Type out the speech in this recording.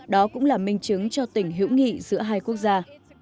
đó cũng là minh chứng cho tình hữu nghị giữa hai quốc gia